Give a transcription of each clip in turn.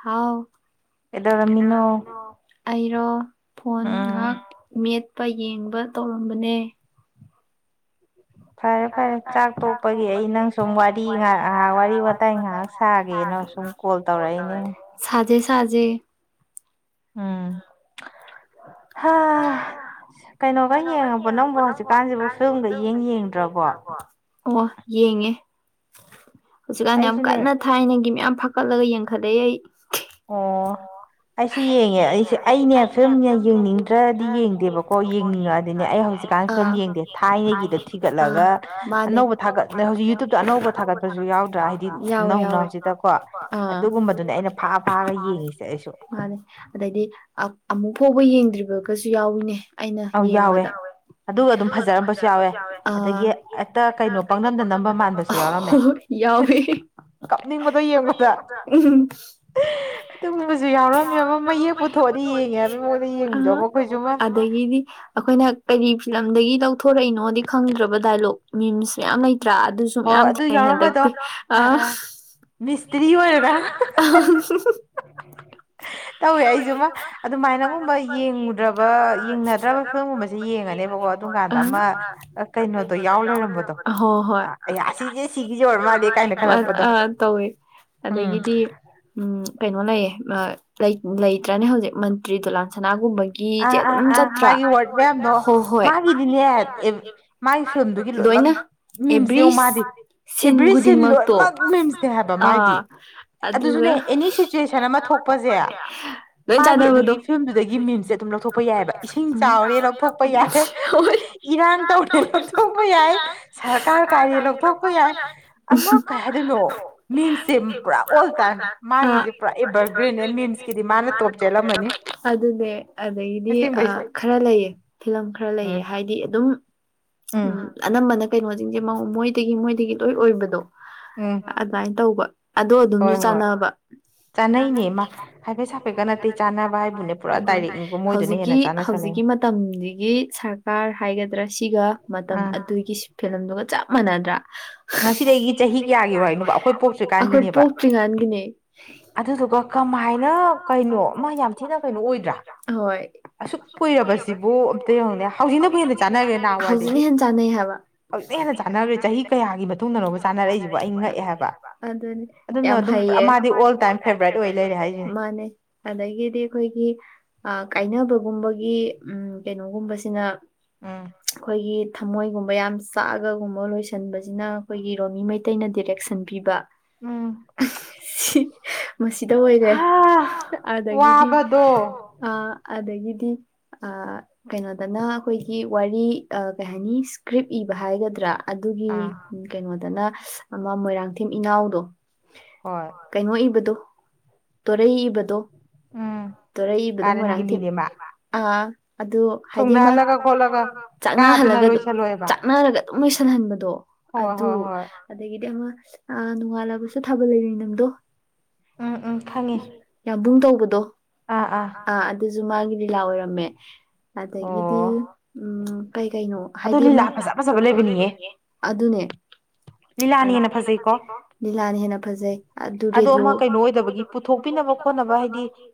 ꯍꯥꯎ ꯀꯩꯗꯧꯔꯝꯃꯤꯅꯣ ꯑꯩꯔꯣ ꯐꯣꯟ ꯉꯍꯥꯛ ꯃꯦꯠꯄ ꯌꯦꯡꯕ ꯇꯧꯔꯝꯕꯅꯦ ꯐꯔꯦ ꯐꯔꯦ ꯆꯥꯛ ꯇꯣꯛꯄꯒꯤ ꯑꯩ ꯅꯪ ꯁꯨꯝ ꯋꯥꯔꯤ ꯋꯥꯔꯤ ꯋꯥꯇꯥꯏ ꯉꯥꯏꯍꯥꯛ ꯁꯥꯒꯦꯅ [unintelligible] ꯁꯥꯖꯦ ꯁꯥꯖꯦ ꯎꯝ ꯍꯥ ꯀꯩꯅꯣꯒ ꯌꯦꯡꯉꯕ ꯅꯪꯕꯨ ꯍꯧꯖꯤꯛꯀꯥꯟꯁꯤꯕꯨ ꯐꯤꯂꯝꯒ ꯌꯦꯡ ꯌꯦꯡꯗ꯭ꯔꯕꯣ ꯌꯦꯡꯉꯦ ꯍꯧꯖꯤꯛꯀꯥꯟꯗ ꯌꯥꯝ ꯀꯟꯅ ꯊꯥꯏꯅꯒꯤ ꯃꯌꯥꯝ ꯐꯥꯀꯠꯂꯒ ꯌꯦꯡꯈꯠꯂꯦ ꯑꯩ ꯑꯣ ꯑꯩꯁꯨ ꯌꯦꯡꯉꯦ ꯑꯩꯁꯦ ꯑꯩꯅꯦ ꯐꯤꯂꯝꯅꯦ ꯌꯦꯡꯅꯤꯡꯗ ꯈ꯭ꯔꯗꯤ ꯌꯦꯡꯗꯦꯕꯀꯣ ꯌꯦꯡꯅꯤꯡꯉꯛꯑꯗꯤꯅꯦ ꯑꯩ ꯍꯧꯖꯤꯛꯀꯥꯟ ꯁꯝ ꯌꯦꯡꯗꯦ ꯊꯥꯏꯅꯒꯤꯗꯣ ꯊꯤꯒꯠꯂꯒ ꯑꯅꯧꯕ ꯊꯥꯒꯠ ꯍꯧꯖꯤꯛ ꯌꯨꯇꯨꯕꯇ ꯑꯅꯧꯕ ꯊꯥꯒꯠꯄꯁꯨ ꯌꯥꯎꯗ꯭ꯔꯥ ꯍꯥꯏꯗꯤ ꯅꯧꯅ ꯍꯧꯖꯤꯛꯇꯀꯣ ꯑꯗꯨ ꯒꯨꯝꯕꯗꯨꯅꯦ ꯑꯩꯅ ꯃꯥꯅꯤ ꯑꯗꯩꯗꯤ ꯑꯃꯨꯛ ꯐꯥꯎꯕ ꯌꯦꯡꯗ꯭ꯔꯤꯕ ꯌꯥꯎꯏꯅꯦ ꯑꯩꯅ ꯌꯦꯡꯕꯗ ꯑꯗꯨꯒ ꯑꯗꯨꯝ ꯍꯥꯏꯖꯔꯛꯄꯁꯨ ꯌꯥꯎꯋꯦ ꯑꯗꯒꯤ ꯍꯦꯛꯇ ꯀꯩꯅꯣ [unintelligible] ꯌꯥꯎꯋꯦ ꯀꯥꯞꯅꯤꯡꯕꯗꯣ ꯌꯦꯡꯕꯗ ꯑꯗꯨꯒꯨꯝꯕꯁꯨ ꯌꯥꯎꯔꯝꯃꯦꯕ ꯃꯌꯦꯛ ꯄꯨꯊꯣꯛꯑꯗꯤ ꯌꯦꯡꯉꯦ ꯍꯥꯏꯕꯩ ꯃꯉꯣꯟꯗ ꯌꯦꯡꯕꯤꯗꯣ ꯈꯣꯏꯖꯕ ꯑꯩꯈꯣꯏꯅ ꯀꯔꯤ ꯐꯤꯂꯝꯗꯒꯤ ꯂꯧꯊꯣꯔꯛꯏꯅꯣꯗꯤ ꯈꯪꯗ꯭ꯔꯕ ꯗꯥꯏꯂꯣꯛ ꯃꯤꯟꯁ ꯃꯌꯥꯝ ꯂꯩ ꯇ꯭ꯔꯥ ꯑꯗꯨꯁꯨ ꯃꯌꯥꯝ ꯊꯦꯡꯅꯩ ꯍꯟꯗꯛꯇꯤ ꯑ ꯥ [unintelligible] ꯇꯧꯋꯦ ꯑꯩꯁꯨ ꯑꯃ ꯑꯗꯨꯃꯥꯏꯅꯒꯨꯝꯕ ꯌꯦꯡ ꯌꯦꯡꯗ꯭ꯔꯕ ꯌꯦꯡꯅꯗ꯭ꯔꯕ ꯐꯤꯂꯝꯒꯨꯝꯕꯗꯤ ꯌꯦꯡꯉꯅꯦꯕꯣ ꯅꯨꯡꯉꯥꯏꯕ ꯑꯃ ꯀꯩꯅꯣꯗꯣ ꯌꯥꯎ ꯌꯥꯎ ꯂꯩꯔꯃꯝꯕꯗꯣ ꯍꯣꯏ ꯑꯌꯥ ꯑꯁꯤꯗꯤ ꯑꯁꯤ ꯑꯣꯏꯔꯥꯃꯜꯂꯦ ꯑꯗꯒꯤꯗꯤ ꯎꯝ ꯀꯩꯅꯣ ꯂꯩꯌꯦ ꯂꯩꯇ꯭ꯔꯅꯦ ꯍꯧꯖꯤꯛ ꯃꯟꯇ꯭ꯔꯤ ꯗꯨꯂꯥꯟꯁꯅꯥꯒꯨꯝꯕꯒꯤ ꯒꯤꯖꯧ ꯑꯗꯨꯝ ꯆꯠꯇ꯭ꯔꯥ ꯍꯣꯏ ꯍꯣꯏ [unintelligible] ꯃꯤꯝꯁꯦ ꯌꯦꯡꯎ ꯃꯥꯗꯤ ꯑꯦꯚ꯭ꯔꯤꯁꯤꯟ ꯂꯣꯏꯅꯃꯛ ꯝꯁꯇꯦ ꯍꯥꯏꯕ ꯃꯥꯏꯗꯤ ꯑꯗꯨꯁꯨꯅꯦ ꯑꯦꯅꯤ ꯁꯤꯆꯨꯋꯦꯁꯟ ꯑꯃ ꯊꯣꯛ ꯄꯖꯦꯦ ꯃꯥꯒꯤ ꯑꯗꯨꯒꯤ ꯐꯤꯂꯝ ꯃꯤꯝꯁ ꯂꯧꯊꯣꯛꯄ ꯌꯥꯏꯑꯕ ꯏꯁꯤꯡ ꯆꯥꯎꯔꯦ ꯂꯧꯊꯣꯛꯄ ꯌꯥꯏ ꯏꯔꯥꯡ ꯇꯧꯔꯦ ꯂꯧꯊꯣꯛꯄ ꯌꯥꯏ ꯁꯔꯀꯥꯔ ꯀꯥꯏꯔ ꯂꯧꯊꯣꯛꯄ ꯌꯥꯏ ꯑꯃ ꯀꯩ ꯍꯥꯏꯗꯣꯏꯅꯣ ꯃꯤꯝꯁꯁꯦ ꯄꯨꯔꯥ ꯑꯣ ꯃꯥꯒꯤꯁꯦ ꯄꯨꯔꯥ ꯑꯦꯚꯔꯒ꯭ꯔꯤꯟ ꯑꯦ ꯃꯤꯟꯁꯀꯤꯗꯤ ꯃꯥꯅ ꯇꯣꯞ ꯆꯦꯜꯂꯝꯃꯅꯤ ꯑꯗꯒꯤꯗꯤ ꯑꯥ ꯈꯔ ꯂꯩꯑꯦ ꯐꯤꯂꯝ ꯈꯔ ꯂꯩꯑꯦ ꯍꯥꯏꯗꯤ ꯑꯗꯨꯝ ꯎꯝ ꯑꯅꯝꯕꯅ ꯀꯩꯅꯣꯖꯤꯡꯖꯦ ꯃꯣꯏꯗꯒꯤ ꯃꯣꯏꯗꯒꯤ ꯂꯣꯏ ꯑꯣꯏꯕꯗꯣ ꯑꯗꯨꯃꯥꯏꯟ ꯇꯧꯕ ꯑꯗꯣ ꯑꯗꯨꯝꯖꯨ ꯆꯥꯟꯅꯕ ꯆꯥꯅꯩꯅꯦ ꯃꯥ ꯍꯥꯏꯐꯦꯠ ꯁꯥꯐꯦꯠꯀ ꯅꯠꯇꯦ ꯆꯥꯅꯕ ꯍꯥꯏꯕꯨꯅꯦ ꯄꯨꯔꯥ ꯗꯥꯏꯔꯦꯛꯅꯤꯕꯣ ꯃꯣꯏ ꯍꯧꯖꯤꯛꯀꯤ ꯍꯧꯖꯤꯛꯀꯤ ꯃꯇꯝꯖꯤꯒꯤ ꯁꯔꯀꯥꯔ ꯍꯥꯏꯒꯗ꯭ꯔꯥ ꯁꯤꯒ ꯃꯇꯝ ꯑꯗꯨꯒꯤ ꯐꯤꯂꯝꯗꯨ ꯆꯞ ꯃꯥꯟꯅꯗ꯭ꯔꯥ ꯉꯁꯤꯗꯒꯤ ꯆꯍꯤ ꯀ꯭ꯌꯥꯒꯤ ꯋꯥꯔꯤꯅꯣꯕ ꯑꯈꯣꯏ ꯄꯣꯛꯇ꯭ꯔꯤꯒꯥꯟꯒꯤꯅꯦ ꯑꯗꯨꯗꯨꯒ ꯀꯃꯥꯏꯅ ꯀꯩꯅꯣ ꯃ ꯌꯥꯝ ꯊꯤꯅ ꯀꯩꯅꯣ ꯑꯣꯏꯗ꯭ꯔꯥ ꯍꯣꯏ ꯑꯁꯨꯛ ꯀꯨꯏꯔꯕꯁꯤꯕꯨ ꯑꯝꯇ ꯌꯦꯡꯅꯦ ꯍꯧꯖꯤꯛꯅꯕꯨ ꯍꯦꯟꯅ ꯆꯥꯟꯅꯒ꯭ꯔꯦ ꯅꯍꯥꯋꯥꯏꯗꯒꯤ ꯍꯧꯖꯤꯛ ꯅ ꯆꯥꯟꯅꯒ꯭ꯔꯦ ꯆꯍꯤ ꯀꯌꯥꯒꯤ ꯃꯇꯨꯡꯗ ꯆꯥꯅꯔꯛꯏꯖꯤꯕꯣ ꯑꯩ ꯉꯛꯑꯦ ꯍꯥꯏꯕ ꯑꯗꯨꯅ ꯑꯗꯨꯝ ꯄꯨꯔꯥ ꯃꯥꯗꯤ ꯑꯣꯜ ꯇꯥꯏ ꯐꯦꯚꯥ꯭ꯔꯏꯠ ꯃꯥꯅꯦ ꯑꯗꯒꯤꯗꯤ ꯑꯩꯈꯣꯏꯒꯤ ꯑ ꯀꯥꯏꯅꯕꯒꯨꯝꯕꯒꯤ ꯎꯝ ꯀꯩꯅꯣꯒꯨꯝꯕꯁꯤꯅ ꯈꯣꯏꯒꯤ ꯊꯃꯣꯏꯒꯨꯝꯕ ꯌꯥꯝ ꯆꯥꯛꯑꯒ ꯒꯨꯝꯕ ꯂꯣꯏꯁꯟꯕꯖꯤꯅ ꯑꯈꯣꯏꯒꯤ ꯔꯣꯃꯤ ꯃꯩꯇꯩꯅ ꯗꯤꯔꯦꯛꯁꯟ ꯄꯤꯕ ꯎꯝ ꯃꯁꯤꯗ ꯑꯣꯏꯔꯦ ꯑꯗꯒꯤꯗꯤ ꯑꯗꯒꯤꯗꯤ ꯑ ꯀꯩꯅꯣꯗꯅ ꯑꯈꯣꯏꯒꯤ ꯋꯥꯔꯤ ꯀꯩ ꯍꯥꯏꯅꯤ ꯀ꯭ꯔꯤꯞ ꯏꯕ ꯍꯥꯏꯒꯗ꯭ꯔꯥ ꯑꯗꯨꯒꯤ ꯀꯩꯅꯣꯗꯣꯅ ꯑꯃ ꯃꯣꯏꯔꯥꯡꯊꯦꯝ ꯏꯅꯥꯎꯗꯣ ꯀꯩꯅꯣ ꯏꯕꯗꯣ ꯇꯣꯔꯩ ꯏꯕꯗꯣ ꯇꯣꯔꯩ ꯀꯔꯟꯒꯤ ꯃꯤꯅꯦ ꯃꯥ ꯑ ꯑꯗꯨ ꯍꯥꯏꯗꯤ ꯑꯃ ꯆꯥꯛꯅꯍꯜꯂꯒ ꯗꯨꯝ ꯆꯥꯛꯅꯔꯒ ꯑꯗꯨꯝ ꯃꯩꯁꯟꯍꯟꯕꯗꯣ ꯑꯗꯨ ꯑꯗꯒꯤꯗꯤ ꯑꯃ ꯅꯣꯡꯉꯥꯜꯂꯕꯁꯨ ꯊꯥꯕꯜꯂꯩ ꯂꯩꯅꯝꯗꯣ ꯌꯥꯝꯕꯨꯡ ꯇꯧ ꯄꯨꯗꯣ ꯑꯥ ꯑꯥ ꯖꯨꯨ ꯃꯥꯒꯤ ꯂꯤꯂꯥ ꯑꯣꯏꯔꯝꯃꯦ ꯑꯗꯒꯤꯗꯤ ꯎꯝ ꯀꯩ ꯀꯩꯅꯣ ꯍꯥꯏꯗꯤ ꯑꯃ ꯃꯤ ꯂꯤꯂꯥ ꯐꯖ ꯐꯖꯕ ꯂꯩꯕꯅꯤꯌꯦ ꯑꯗꯨꯅꯦ ꯂꯤꯂꯥꯅ ꯍꯦꯟꯅ ꯐꯖꯩꯀꯣ ꯂꯤꯂꯥꯅ ꯍꯦꯟꯅ ꯐꯖꯩ ꯑꯗꯨ ꯔꯦꯗꯤꯌꯣ ꯑꯗꯨ ꯑꯃ ꯀꯩꯅꯣ ꯑꯣꯏꯗꯕꯒꯤ ꯄꯨꯊꯣꯛꯄꯤꯅꯕ ꯈꯣꯠꯅꯕ ꯍꯩꯗꯤ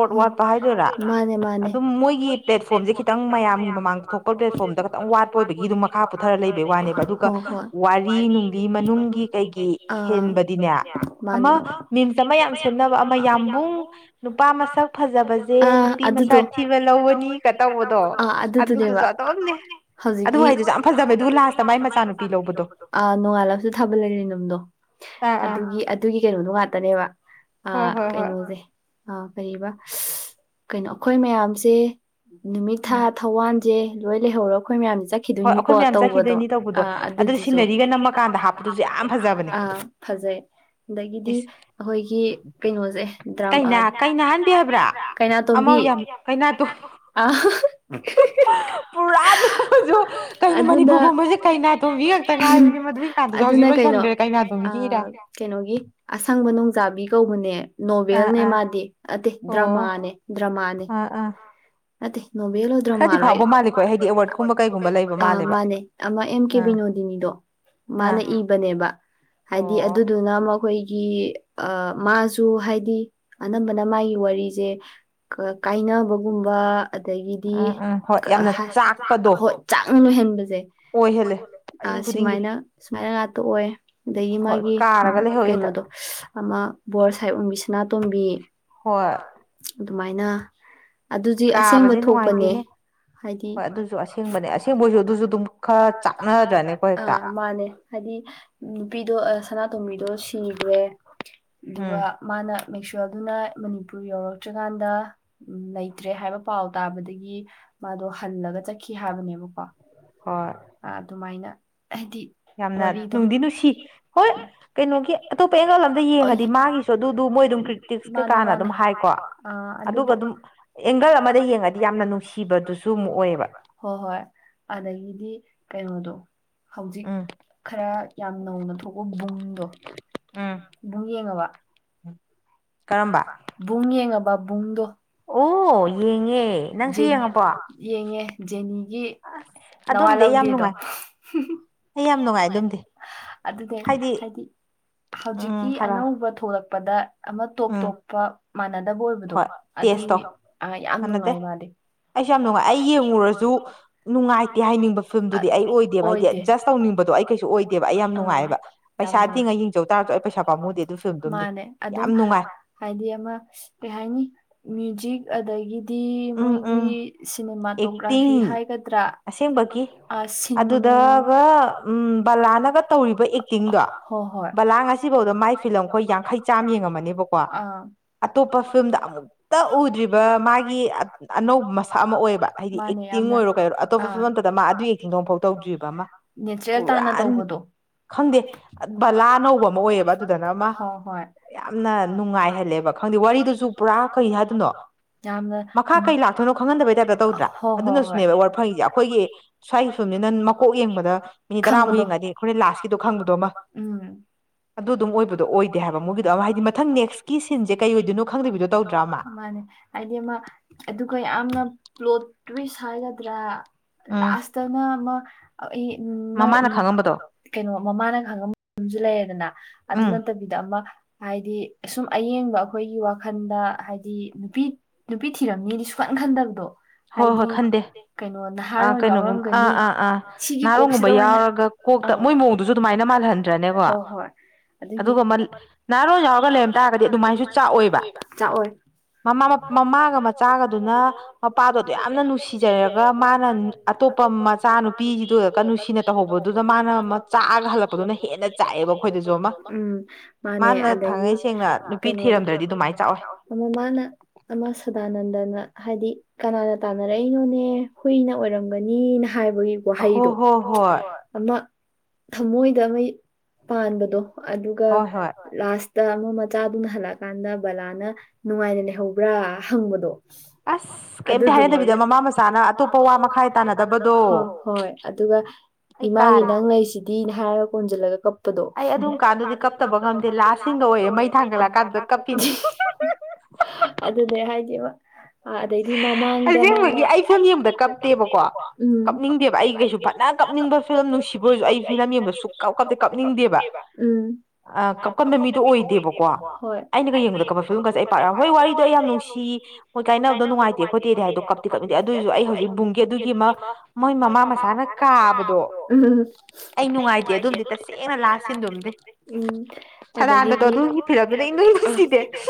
ꯁꯕꯣꯠ ꯋꯥꯠꯄ ꯍꯥꯏꯗꯨꯢꯔ ꯃꯥꯅꯦ ꯃꯥꯅꯦ ꯑꯗꯨꯝ ꯃꯣꯏꯒꯤ ꯄ꯭ꯂꯦꯠꯐꯣꯝꯖꯦ ꯈꯤꯇꯪ ꯃꯌꯥꯝꯒꯤ ꯃꯃꯥꯡꯗ ꯊꯣꯛꯄ ꯄ꯭ꯂꯦꯠꯐꯣꯝ ꯈꯤꯇꯪ ꯋꯥꯠꯄ ꯑꯣꯏꯕꯒꯤ ꯑꯗꯨꯝ ꯃꯈꯥ ꯄꯨꯊꯔ ꯂꯩꯕꯒꯤ ꯋꯥꯅꯦꯕ ꯑꯗꯨꯒ ꯋꯥꯔꯤ ꯅꯨꯡꯂꯤ ꯃꯅꯨꯡꯒꯤ ꯀꯩꯒꯤ ꯍꯦꯟꯕꯗꯤꯅꯦ ꯑꯃ ꯃꯤꯟꯁ ꯑꯃ ꯌꯥꯝ ꯁꯦꯝꯅꯕ ꯑꯃ ꯌꯥꯝꯕꯨꯡ ꯅꯨꯄꯥ ꯁꯥ ꯃꯁꯛ ꯐꯖꯕꯁꯦ ꯅꯨꯄꯤ ꯃꯁꯛ ꯊꯤꯕ ꯂꯧꯕꯅꯤꯒ ꯇꯧꯕꯗꯣ ꯑꯗꯨꯗꯨꯁꯨ ꯑꯗꯨꯝꯅꯦ ꯍꯧꯖꯤꯛꯀꯤ ꯂꯗꯣ ꯑ ꯅꯣꯡꯉꯥꯜꯂꯕꯁꯨ ꯊꯥꯕꯜꯂꯩ ꯂꯩꯅꯝꯗꯣ ꯑꯗꯨꯒꯤ ꯑꯗꯨꯒꯤ ꯀꯩꯅꯣꯗꯨ ꯉꯥꯠꯇꯅꯦꯕ ꯑ ꯀꯩꯅꯣꯖꯦ ꯑ ꯀꯔꯤꯕ ꯀꯩꯅꯣ ꯑꯩꯈꯣꯏ ꯃꯌꯥꯝꯁꯦ ꯅꯨꯃꯤꯠ ꯊꯥ ꯊꯧꯋꯥꯟ ꯖꯦ ꯂꯣꯏ ꯂꯩꯍꯧꯔꯣ ꯑꯈꯣꯏ ꯃ꯭ꯌꯥꯝ ꯆꯠꯈꯤꯗꯣꯏꯅꯤꯀꯣ ꯇꯧꯕꯗꯣ ꯑ ꯑꯗꯨꯗꯨꯁꯨ ꯑ ꯐ ꯐꯖꯩ ꯑꯗꯒꯤꯗꯤ ꯑꯈꯣꯏꯒꯤ ꯀꯩꯅꯣꯁꯦ ꯗ꯭ꯔꯃꯥ ꯀꯩꯅꯥꯍꯟꯕꯤ ꯍꯥꯏꯕ꯭ꯔꯥ ꯀꯩꯅꯥ ꯇꯣꯝꯕꯤ ꯑ ꯄꯨꯔꯥꯗꯁꯨ ꯀꯩꯅꯣ ꯃꯅꯤꯄꯨꯔꯒꯨꯝꯕꯁꯦ ꯀꯩꯅꯥꯇꯣꯝꯕꯤ ꯉꯛꯇ ꯉꯥꯏꯕꯅꯤ ꯃꯗꯨꯒꯤ ꯀꯥꯟꯗꯨꯗ ꯍꯧꯖꯤꯛ ꯂꯣꯏꯁꯤꯟꯈ꯭ꯔꯦ ꯀꯩꯅꯥꯇꯣꯕꯤꯒꯤꯔ ꯀꯩꯅꯣꯒꯤ ꯑꯁꯪꯕ ꯅꯣꯡꯖꯥꯕꯤ ꯀꯧꯕꯅꯤ ꯅꯣꯚꯦꯜꯅꯦ ꯃꯥꯗꯤ ꯑ ꯗ꯭ꯔꯃꯥꯅꯦ ꯑ ꯑꯥ ꯅꯣꯕꯦꯜ ꯑꯣ ꯗ꯭ꯔꯃꯥꯔꯣꯏ ꯑ ꯃꯥꯅꯦ ꯑꯃ ꯑꯦꯝ ꯀꯦ ꯕꯤꯅꯣꯗꯤꯅꯤꯗꯣ ꯃꯥꯅ ꯏꯕꯅꯦꯕ ꯍꯥꯏꯗꯤ ꯑꯗꯨꯗꯨꯅ ꯃꯈꯣꯏ ꯒꯤ ꯑꯥ ꯃꯥꯁꯨ ꯍꯥꯏꯗꯤ ꯑꯅꯝꯕꯅ ꯃꯥꯒꯤ ꯋꯥꯔꯤꯖꯦ ꯀꯥꯏꯅꯕꯒꯨꯝꯕ ꯑꯗꯒꯤꯗꯤ ꯍꯣꯏ ꯆꯥꯛꯅ ꯂꯣꯏꯍꯟꯕꯁꯦ ꯑꯥ ꯁꯨꯃꯥꯏꯅ ꯁꯨꯃꯥꯏꯅ ꯉꯥꯛꯇ ꯑꯣꯏ ꯑꯗꯒꯤ ꯃꯥꯒꯤ ꯀꯩꯅꯣꯗꯣ ꯑꯃ ꯕꯣꯔ ꯁꯥꯍꯦꯕ ꯑꯣꯡꯕꯤ ꯁꯅꯥꯇꯣꯝꯕꯤ ꯍꯣꯏ ꯑꯗꯨꯃꯥꯏꯅ ꯑꯗꯨꯗꯤ ꯑꯁꯦꯡꯕ ꯊꯣꯛꯄꯅꯦ ꯍꯥꯏꯗꯤ ꯃꯥꯅꯦ [unintelligible] ꯍꯥꯏꯗꯤ ꯅꯨꯄꯤꯗꯣ ꯁꯅꯥꯇꯣꯝꯕꯤꯗꯣ ꯁꯤꯈ꯭ꯔꯦ ꯑꯗꯨꯒ ꯃꯥꯅ ꯑꯗꯨꯅ ꯃꯅꯤꯄꯨꯔ ꯌꯧꯔꯛꯇ꯭ꯔꯀꯥꯟꯗ ꯂꯩꯇ꯭ꯔꯦ ꯍꯥꯏꯕ ꯄꯥꯎ ꯇꯥꯕꯗꯒꯤ ꯃꯥꯗꯣ ꯍꯜꯂꯒ ꯆꯠꯈꯤ ꯍꯥꯏꯕꯅꯦꯕꯀꯣ ꯑꯗꯨꯃꯥꯏꯅ ꯍꯥꯏꯗꯤ ꯌꯥꯝꯅ ꯅꯨꯡꯗꯤ ꯅꯨꯡꯁꯤ ꯍꯣꯏ ꯀꯩꯅꯣꯒꯤ ꯑꯇꯣꯞꯄ ꯑꯦꯟꯒꯜ ꯑꯝꯗ ꯌꯦꯡꯉꯗꯤ ꯃꯥꯒꯤꯁꯨ ꯑꯗꯨꯗꯨ ꯃꯣꯏ ꯑꯗꯨꯝ ꯀ꯭ꯔꯤꯇꯤꯛꯁ ꯀꯩꯀꯥꯅ ꯑꯗꯨꯝ ꯍꯥꯏꯀꯣ ꯑ ꯑꯗꯨꯕꯨ ꯑꯦꯡꯒꯜ ꯑꯃꯗ ꯌꯦꯡꯉꯗꯤ ꯌꯥꯝꯅ ꯅꯨꯡꯁꯤꯕꯗꯨꯁꯨ ꯑꯃꯨꯛ ꯑꯣꯏꯌꯦꯕ ꯍꯣꯏ ꯍꯣꯏ ꯑꯗꯗꯒꯤꯗꯤ ꯀꯩꯅꯣꯗꯣ ꯍꯧꯖꯤꯛ ꯈꯔ ꯌꯥꯝ ꯅꯧꯅ ꯊꯣꯛꯄ ꯕꯨꯡꯗꯣ ꯕꯨꯡ ꯌꯦꯡꯉꯕ ꯕꯨꯡ ꯌꯦꯡꯉꯕ ꯕꯨꯡꯗꯣ ꯑꯣ ꯌꯦꯡ ꯌꯦꯡꯉꯦ ꯖꯦꯅꯤꯒꯤ ꯅꯋꯥ ꯂꯧꯗꯦꯗꯣ ꯌꯥꯝ ꯅꯨꯡꯉꯥꯏ ꯑꯗꯨ ꯑꯗꯨꯗ ꯍꯥꯏꯗꯤ ꯍꯧꯖꯤꯛꯀꯤ ꯑꯅꯧꯕ ꯊꯣꯛꯂꯛꯄ ꯄꯥꯗ ꯑꯃ ꯇꯣꯞ ꯇꯣꯞꯄ ꯃꯥꯟꯅꯗꯕ ꯑꯣꯏꯕꯗꯣ ꯑꯗꯨ ꯌꯥꯝ ꯅꯨꯡꯉꯥꯏ ꯃꯥꯏ ꯃꯥꯗꯤ ꯑꯩꯁꯨ ꯌꯥꯝ ꯅꯨꯡꯉꯥꯏ ꯑꯩ ꯌꯦꯡꯉꯨꯔꯁꯨ ꯅꯨꯡꯉꯥꯏꯇꯦ ꯍꯥꯏꯅꯤꯡꯕꯗꯤ ꯑꯩꯗꯤ ꯑꯣꯏꯗꯦ ꯑꯣꯏꯗꯦꯕ ꯌꯥꯝ ꯅꯨꯡꯉꯥꯏꯕ ꯌꯥꯝꯅꯨꯡꯉꯥꯏꯌꯦ ꯄꯩꯁꯥ ꯇꯤꯡꯒꯤ ꯌꯦꯡ ꯇꯔꯁꯨ ꯑꯩ ꯄꯩꯁꯥ ꯄꯥꯝꯃꯨꯗꯦ ꯑꯗꯨ ꯍꯥꯏꯗꯤ ꯑꯃ ꯀꯩ ꯍꯥꯏꯅꯤ ꯃ꯭ꯌꯨꯖꯤꯛ ꯑꯗꯒꯤꯗꯤ ꯃꯣꯏꯒꯤ ꯑꯦꯛꯇꯤꯡ ꯑꯁꯦꯡꯕꯒꯤ ꯑꯗꯨꯗꯒ ꯎꯝ ꯕꯂꯥꯅꯒ ꯇꯧꯔꯤꯕ ꯑꯦꯛꯇꯤꯡꯗꯣ ꯕꯂꯥ ꯉꯁꯤ ꯉꯁꯤꯐꯥꯎꯗ ꯃꯥꯏ ꯐꯤꯂꯝ ꯑꯩꯈꯣꯏ ꯌꯥꯡꯈꯩ ꯆꯥꯝꯃ ꯌꯦꯡꯉꯝꯃꯅꯦꯕꯀꯣ ꯑꯇꯣꯞꯄ ꯐꯤꯂꯝꯗ ꯑꯃꯨꯛꯇ ꯎꯗ꯭ꯔꯤꯕ ꯃꯥꯒꯤ ꯑꯅꯧꯕ ꯃꯁꯛ ꯑꯃ ꯑꯣꯏꯕ ꯍꯥꯏꯗꯤ ꯑꯦꯛꯇꯤꯡ ꯑꯣꯏꯔꯣ ꯀꯩꯔꯣ ꯑꯇꯣꯞꯄ ꯐꯤꯂꯝ ꯑꯃꯗꯨꯗ ꯃꯥ ꯑꯗꯨꯒꯤ ꯑꯦꯛꯇꯤꯡꯗꯣꯡꯐꯥꯎ ꯇꯧꯗ꯭ꯔꯤꯕꯕ ꯑꯃ ꯅꯦꯆꯔꯦꯜ ꯇꯥꯅ ꯇꯧꯕꯗꯣ ꯈꯪꯗꯦ ꯕꯥꯂꯥ ꯑꯅꯧꯕ ꯑꯃ ꯑꯣꯏꯌꯦꯕ ꯑꯗꯨꯗꯅ ꯑꯃ ꯌꯥꯝꯅ ꯅꯨꯡꯉꯥꯏꯍꯜꯂꯦ ꯈꯪꯗꯦ ꯋꯥꯔꯤꯗꯨꯁꯨ ꯄꯨꯔꯥ ꯀꯩ ꯍꯥꯏꯗꯅꯣ ꯌꯥꯝꯅ ꯃꯈꯥ ꯀꯩ ꯂꯥꯛꯇꯣꯏꯅꯣ ꯈꯪꯍꯟꯗꯕ ꯇꯥꯏꯞꯇ ꯇꯧꯗ꯭ꯔꯣ ꯑꯗꯨꯅꯁꯨꯅꯦꯕ ꯋꯥꯔ ꯐꯪꯏꯁꯦ ꯑꯩꯈꯣꯏꯒꯤ ꯁ꯭ꯋꯥꯏ ꯐꯤꯕꯝꯁꯤ ꯅ ꯃꯀꯣꯛ ꯌꯦꯡꯕꯗ ꯃꯤꯅꯤꯠ ꯇꯔꯥꯃꯨꯛ ꯌꯦꯡꯉꯗꯤ ꯑꯩꯈꯣꯏ ꯂꯥꯁꯀꯤꯗꯣ ꯈꯪꯕꯗꯣ ꯑꯃ ꯑꯗꯨ ꯑꯗꯨꯝ ꯑꯣꯏꯕꯗꯣ ꯑꯣꯏꯗꯦ ꯍꯥꯏꯕ ꯃꯣꯏꯒꯤꯗꯣ ꯑꯃ ꯍꯥꯏꯗꯤ ꯃꯊꯪ ꯅꯦꯛꯁꯀꯤ ꯁꯤꯟꯁꯦ ꯀꯩ ꯑꯣꯏꯗꯣꯏꯅꯣ ꯈꯪꯗ꯭ꯕꯤꯗꯣ ꯇꯧꯗ꯭ꯔꯥ ꯑꯃ ꯍꯥꯏꯗꯤ ꯑꯃ ꯑꯗꯨꯒ ꯌꯥꯝꯅ ꯄ꯭ꯂꯣꯠꯇꯋꯤꯁ ꯍꯥꯏꯒꯗ꯭ꯔꯥ ꯂꯥꯁꯇꯅ ꯑꯃ [unintelligible] ꯀꯩꯅꯣ ꯃꯃꯥꯅ ꯈꯪꯉ ꯑꯃꯁꯁꯨ ꯂꯩꯔꯦꯗꯅ ꯑꯗꯨ ꯅꯠꯇꯕꯤꯗ ꯑꯃ ꯍꯥꯏꯗꯤ ꯁꯨꯝ ꯑꯌꯦꯡꯕ ꯑꯩꯈꯣꯏꯒꯤ ꯋꯥꯈꯜꯗ ꯍꯥꯏꯗꯤ ꯅꯨꯄꯤ ꯅꯨꯄꯤ ꯊꯤꯔꯝꯅꯤꯗꯤ ꯁꯨꯈꯟ ꯈꯟꯗꯕꯗꯣ ꯍꯥꯏꯗꯤ ꯀꯩꯅꯣ ꯅꯍꯥꯔꯣꯟ ꯌꯥꯎꯔꯝꯒꯅꯤ ꯁꯤꯒꯤ ꯀꯣꯛꯁꯤꯗ ꯑꯣꯏꯅ ꯀꯣꯛꯇ ꯃꯣꯏ ꯃꯑꯣꯡꯗꯨꯁꯨ ꯑꯗꯨꯃꯥꯏꯅ ꯃꯥꯜꯍꯟꯗ꯭ꯔꯅꯦꯀꯣ ꯑꯗꯨꯒ ꯃꯂ ꯅꯍꯥꯔꯣꯟꯜ ꯌꯥꯎꯔꯒ ꯂꯩꯔꯝ ꯇꯥꯔꯒꯗꯤ ꯑꯗꯨꯃꯥꯏꯅꯁꯨ ꯆꯥꯛꯑꯣꯏꯕ ꯃꯥ ꯃꯃꯥꯒ ꯃꯆꯥꯒꯗꯨꯅ ꯅꯨꯄꯥꯗꯣ ꯑꯗꯣ ꯌꯥꯝꯅ ꯅꯨꯡꯁꯤꯖꯔꯒ ꯃꯥꯅ ꯑꯇꯣꯞꯄ ꯃꯆꯥꯅꯨꯄꯤꯗꯒ ꯅꯨꯡꯁꯤꯅ ꯇꯧꯍꯧꯕꯗꯨ ꯑꯗꯨꯗ ꯃꯥꯅ ꯑꯃ ꯆꯥꯛꯑꯒ ꯍꯜꯂꯛꯄꯗꯨꯅ ꯍꯦꯟꯅ ꯆꯥꯛꯑꯦꯕ ꯑꯩꯈꯣꯏꯗꯁꯨ ꯑꯃ ꯃꯥꯅꯦ ꯑꯗꯒꯤ ꯩꯁꯦꯡꯅ ꯀꯩꯅꯣꯗꯣ ꯅꯨꯄꯤ ꯊꯤꯔꯝꯗꯔꯥꯗꯤ ꯀꯃꯥꯏ ꯆꯥꯛꯑꯣꯏ ꯑꯃꯨꯛ ꯃꯥꯅ ꯁꯗꯥꯅꯟꯗꯅ ꯍꯥꯏꯗꯤ ꯀꯅꯥꯅ ꯇꯥꯟꯅꯔꯛꯏꯅꯣꯅꯦ ꯍꯨꯏꯅ ꯑꯣꯏꯔꯝꯒꯅꯤꯅ ꯍꯥꯏꯕꯒꯤ ꯋꯥꯍꯩꯗꯣ ꯑꯃ ꯊꯃꯣꯏꯗ ꯑꯃ ꯄꯥꯟꯕꯗꯣ ꯑꯗꯨꯒ ꯂꯥꯁ ꯇ ꯑꯃ ꯃꯆꯥꯗꯨꯅ ꯍꯜꯂꯛꯑꯀꯥꯟꯗ ꯕꯂꯥꯅ ꯅꯨꯡꯉꯥꯏꯅ ꯂꯩꯍꯧꯕ꯭ꯔꯥ ꯍꯪꯕꯗꯣ ꯑꯗꯨꯗꯨꯃꯒ ꯃꯃꯥ ꯃꯆꯥꯅ ꯑꯇꯣꯞꯄ ꯃꯈꯥꯏ ꯇꯥꯟꯅꯗꯕꯗꯣ ꯍꯣꯏ ꯑꯗꯨ [unintelligible] ꯏꯃꯥꯒꯤ ꯅꯪ ꯂꯩꯁꯤꯗꯤ ꯍꯥꯏꯔꯒ ꯀꯣꯟꯁꯤꯜꯂꯒ ꯀꯞꯄꯗꯣ ꯑꯧ ꯑꯗꯨꯝꯀꯥꯟꯗꯨꯗꯤ ꯀꯞꯇꯕ ꯉꯝꯗꯦ ꯂꯥꯁ ꯁꯤꯟꯒ ꯑꯣꯏꯔꯦ ꯃꯩ ꯊꯥꯡꯒꯠꯂꯛꯑꯀꯥꯟꯗ ꯑꯗꯨꯅꯦ ꯍꯥꯏꯒꯦꯕ ꯑꯁꯦꯡꯕꯒꯤ ꯑꯩ ꯐꯤꯂꯝ ꯌꯦꯡꯕꯗ ꯀꯞꯇꯦꯕꯀꯣ ꯀꯞꯅꯤꯡꯗꯦꯕ ꯑꯩ ꯀꯩꯁꯨ ꯐꯖꯅ ꯀꯞꯅꯤꯡꯕ ꯐꯤꯂꯝ ꯅꯨꯡꯁꯤꯕ ꯑꯣꯏꯔꯁꯨ ꯑꯩ ꯐꯤꯂꯝ ꯌꯦꯡꯗ ꯁꯨꯡ ꯀꯞ ꯀꯞꯇꯦ ꯀꯞꯅꯤꯡꯗꯦꯕ ꯎꯝ ꯑ ꯀꯞꯀꯟꯕ ꯃꯤꯗꯣ ꯑꯣꯏꯗꯦꯕꯀꯣ ꯑꯩꯅꯒ ꯌꯦꯡꯕꯗ ꯀꯞꯄ ꯐꯤꯂꯝꯒꯁꯦ ꯑꯩ ꯄꯥꯛꯔꯛ ꯍꯣꯏ ꯋꯥꯔꯤꯗꯣ ꯑꯩ ꯅꯨꯡꯁꯤ ꯃꯣꯏ ꯀꯥꯏꯅ ꯅꯨꯡꯉꯥꯏꯇꯦ ꯈꯣꯗꯦꯗꯤ ꯍꯥꯏꯗꯣ ꯀꯞꯇꯤ ꯀꯞꯅꯤꯡꯗꯦ ꯑꯗꯨꯑꯣꯁꯨ ꯑꯩ ꯍꯧꯖꯤꯛ ꯄꯨꯝꯒꯦ ꯑꯗꯨꯒꯤ ꯑꯃ ꯃꯣꯏ ꯃꯃꯥ ꯃꯆꯥꯥꯅ ꯀꯥ ꯎꯝ ꯑꯩ ꯅꯨꯡꯉꯥꯏꯇꯦ ꯑꯗꯨꯣꯝꯗꯤ ꯇꯁꯦꯡꯅ ꯂꯥꯁꯁꯤꯟꯗꯣꯝꯗꯤ ꯎꯝ ꯑꯗꯒꯤ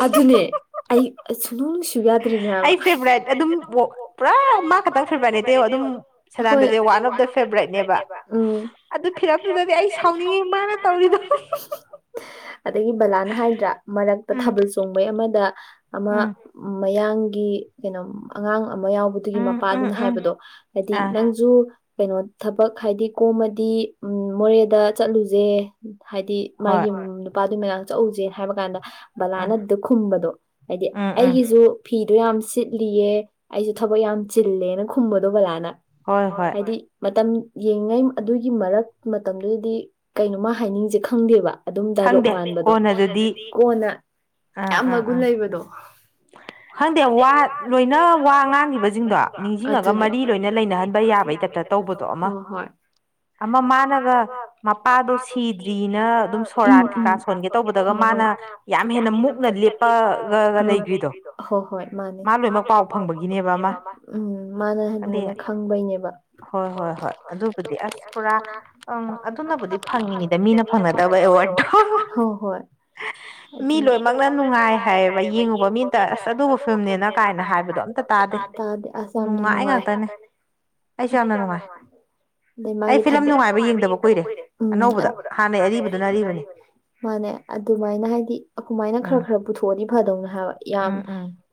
ꯑꯗꯨꯅꯦ ꯑꯩ ꯁꯅꯨꯡ ꯅꯨꯡꯁꯤꯌꯨ ꯌꯥ ꯑꯩ ꯐꯦꯚꯣꯔꯥꯏꯠ ꯑꯗꯨꯝ ꯄꯨꯔꯥ ꯃꯥ ꯈꯛꯇꯪ ꯐꯦꯚꯣꯔꯥꯏꯠ ꯅꯠꯇꯦ ꯑꯗꯨꯝ ꯁꯗꯥꯟꯗꯗꯤꯦ ꯋꯥꯟ ꯑꯣꯐ ꯗ ꯐꯦꯚꯔꯥꯏꯠꯅꯦꯕ ꯑꯗꯨ ꯐꯤꯂꯝꯗꯨꯗꯗꯤ ꯑꯩ ꯁꯥꯎꯅꯤꯡꯉꯤ ꯃꯥꯅ ꯇꯧꯔꯤꯗꯣ ꯑꯗꯒꯤ ꯕꯂꯥꯅ ꯍꯥꯏꯗ꯭ꯔꯥ ꯃꯔꯛꯇ ꯊꯥꯕꯜ ꯆꯣꯡꯕꯩ ꯑꯃꯗ ꯑꯃ ꯎꯝ ꯃꯌꯥꯡꯒꯤ ꯀꯩꯅꯣꯝ ꯑꯉꯥꯡ ꯑꯃ ꯌꯥꯎꯕꯗꯨꯒꯤ ꯃꯄꯥꯗꯨꯅ ꯍꯥꯏꯕꯗꯣ ꯍꯥꯏꯗꯤ ꯅꯪꯁꯨ ꯀꯩꯅꯣ ꯊꯕꯛ ꯍꯥꯏꯗꯤ ꯀꯣꯝꯃꯗꯤ ꯎꯝ ꯃꯣꯔꯦꯗ ꯆꯠꯂꯨꯁꯦ ꯍꯥꯏꯗꯤ ꯃꯥꯒꯤ ꯅꯨꯄꯥꯗꯨꯒꯤ ꯃꯅꯥꯛ ꯆꯠꯎꯁꯦ ꯍꯥꯏꯕ ꯀꯥꯟꯗ ꯕꯂꯥꯅ ꯑꯗꯨꯗ ꯈꯨꯝꯕꯗꯣ ꯍꯥꯏꯗꯤ ꯑꯩꯒꯤꯁꯨ ꯐꯤꯗꯣ ꯌꯥꯝ ꯁꯤꯠꯂꯤꯌꯦ ꯑꯩꯁꯨ ꯊꯕꯛ ꯌꯥꯝ ꯆꯤꯜꯂꯦꯅ ꯈꯨꯝꯕꯗꯣ ꯕꯂꯥꯅ ꯍꯣꯏ ꯍꯣꯏ ꯍꯥꯏꯗꯤ ꯃꯇꯝ ꯌꯦꯡꯉꯩ ꯑꯗꯨꯒꯤ ꯃꯔꯛ ꯃꯇꯝꯗꯨꯗꯗꯤ ꯀꯩꯅꯣꯝꯃ ꯍꯥꯏꯅꯤꯡꯁꯦ ꯈꯪꯗꯦꯕ ꯑꯗꯨꯝ ꯗꯥꯏꯂꯣꯛ ꯃꯥꯟꯕꯗꯣ ꯀꯣꯟꯅ ꯌꯥꯝ ꯃꯒꯨꯟ ꯂꯩꯕꯗꯣ ꯈꯪꯗꯦ ꯋꯥ ꯂꯣꯏꯅ ꯋꯥ ꯉꯥꯡꯈꯤꯕꯁꯤꯡꯗꯣ ꯅꯤꯡꯁꯤꯡꯉꯒ ꯃꯔꯤ ꯂꯣꯏꯅ ꯂꯩꯅꯍꯟꯕ ꯌꯥꯕꯩ ꯇꯥꯞꯇ ꯇꯧꯕꯗꯣ ꯑꯃ ꯑꯃ ꯃꯥꯅꯒ ꯃꯄꯥꯗꯣ ꯁꯤꯗ꯭ꯔꯤꯅ ꯑꯗꯨꯝ ꯁꯣ ꯁꯣꯔꯥꯠ ꯀꯩ ꯀꯥ ꯁꯣꯟꯒꯦ ꯇꯧꯕꯗꯒ ꯃꯥꯅ ꯌꯥꯝ ꯍꯦꯟꯅ ꯃꯨꯛꯅ ꯂꯦꯞꯄꯒ ꯍꯣꯏ ꯍꯣꯏ ꯃꯥꯅꯦ ꯃꯥꯂꯣꯏꯅ ꯄꯥꯎ ꯐꯪꯕꯒꯤꯅꯦꯕ ꯎꯝ ꯃꯥꯅ ꯍ ꯐꯪꯕꯩꯅꯦꯕ ꯍꯣꯏ ꯍꯣꯏ ꯍꯣꯏ ꯑꯗꯨꯕꯨꯗꯤ ꯑꯁ ꯄꯨꯔꯥ ꯎ ꯑꯗꯨꯅꯕꯨꯗꯤ ꯐꯪꯉꯤꯅꯤꯗ ꯃꯤꯅ ꯐꯪꯅꯗꯕ ꯑꯦꯋꯥꯔꯠ ꯍꯣꯏ ꯍꯣꯏ ꯑꯗꯨꯅ ꯃꯤ ꯂꯣꯏꯅꯃꯛꯅ ꯅꯨꯡꯉꯥꯏ ꯌꯦꯡꯉꯨꯕ ꯃꯤꯇ ꯑꯁ ꯑꯗꯨꯒꯨꯝꯕ ꯐꯤꯂꯝꯅꯦꯅ ꯀꯥꯏꯅ ꯍꯥꯏꯕꯗꯣ ꯑꯝꯇ ꯇꯥꯗꯦ ꯑꯩꯁꯨ ꯌꯥꯝ ꯅꯨꯡꯉꯥꯏ ꯃꯥꯒꯤ ꯑꯩ ꯐꯤꯂꯝ ꯅꯨꯡꯉꯥꯏꯕ ꯌꯦꯡꯗꯕ ꯀꯨꯏꯔꯦ ꯎꯝ ꯑꯅꯧꯕꯗ ꯍꯥꯟꯅꯩ ꯑꯔꯤꯕꯗꯨꯅ ꯑꯔꯤꯕ ꯃꯥꯅꯦ ꯑꯗꯨꯃꯥꯏꯅ ꯍꯥꯏꯗꯤ ꯑꯗꯨꯃꯥꯏꯅ ꯈꯔ ꯈꯔ ꯄꯨꯊꯣꯛꯑꯗꯤ ꯐꯗꯧꯅꯦ ꯍꯥꯏꯕ ꯌꯥꯝ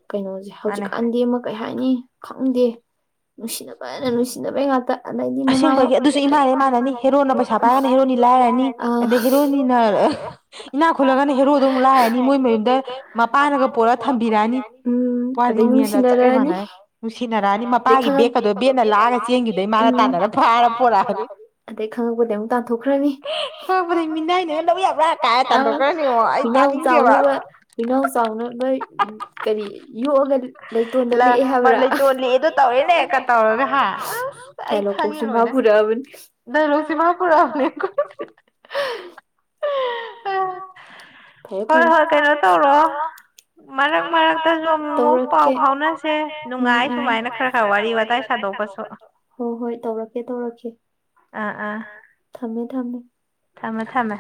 ꯀꯩꯅꯣꯁꯦ ꯍꯧꯖꯤꯛꯀꯥꯟꯗꯤ ꯑꯃ ꯀꯩ ꯍꯥꯏꯅꯤ ꯈꯪꯗꯦ ꯅꯨꯡꯁꯤꯅꯕꯅ ꯅꯨꯡꯁꯤꯅꯕꯩ ꯉꯥꯛꯇ [unintelligible] ꯏꯅꯥꯛ ꯈꯨꯜꯂꯒꯅ ꯍꯦꯔꯣꯗꯣ ꯑꯃꯨꯛ ꯂꯥꯏꯔꯅꯤ ꯃꯣꯏ ꯃꯌꯨꯝꯗ ꯃꯄꯥꯥꯟꯅꯒ ꯄꯨꯔ ꯊꯝꯕꯤꯔꯛꯑꯅꯤ ꯎꯝ ꯑꯗꯩ ꯅꯨꯡꯁꯤꯅꯔꯛꯑꯅꯤ ꯅꯨꯡꯁꯤꯅꯔꯛꯑꯅꯤ ꯑꯗꯩ ꯕꯦꯛꯀꯗꯣ ꯕꯦꯗꯅ ꯂꯥꯛꯑꯒ‌ ꯆꯦꯟꯒꯤꯗꯣꯏꯅꯤ ꯑꯗꯩ ꯈꯪꯉꯛꯄꯗꯤ ꯑꯃꯨꯛ ꯇꯥꯟꯊꯣꯛꯈ꯭ꯔꯅꯤ ꯑꯥ ꯍꯨꯏꯅꯥꯎ ꯆꯥꯎꯅꯕ ꯍꯨꯏꯅꯥꯎ ꯆꯥꯎꯅꯕ ꯀꯔꯤ ꯌꯣꯛꯑꯒꯥ ꯂꯩꯇꯣꯟ ꯂꯦꯛꯑꯦꯗꯣ ꯇꯧꯔꯦꯅꯦ ꯀꯥ ꯇꯧꯔꯒ ꯍꯥ ꯑꯁ ꯑꯩ ꯈꯪꯉꯦ ꯂꯣꯏ ꯆꯤꯟꯐ ꯄꯨꯔꯥꯕꯅꯤ ꯗꯥꯏꯂꯣꯛ ꯆꯤꯟꯐ ꯄꯨꯔꯛꯑꯕꯅꯦ ꯑꯩꯈꯣꯏ ꯍꯣꯏ ꯍꯣꯏ ꯀꯩꯅꯣ ꯇꯧꯔꯣ ꯃꯔꯛ ꯃꯔꯛꯇꯁꯨ ꯑꯃꯨꯛ ꯑꯃꯨꯛ ꯄꯥꯎ ꯐꯥꯎꯅꯁꯦ ꯅꯨꯡꯉꯥꯏ ꯁꯨꯃꯥꯏꯅ ꯈꯔ ꯈꯔ ꯋꯥꯔꯤ ꯋꯥꯇꯥꯏ ꯁꯥ ꯍꯣ ꯍꯣꯏ ꯇꯧꯔꯛꯀꯦ ꯇꯧꯔꯛꯀꯦ ꯑꯥ ꯑꯥ ꯊꯝꯃꯦ ꯊꯝꯃꯦ ꯊꯝꯃꯦ ꯊꯝꯃꯦ